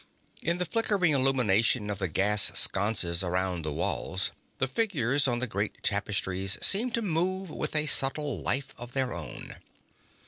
In the flickering illumination of the gas sconces around the walls, the figures on the great tapestries seemed to move with a subtle life of their own.